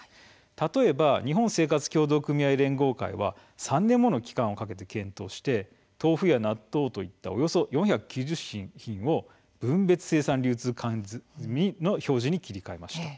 例えば日本生活協同組合連合会は３年の期間をかけて豆腐や納豆などおよそ４９０品目も分別生産流通管理済みに切り替えました。